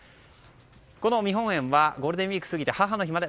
この見本園はゴールデンウィークを過ぎて母の日まで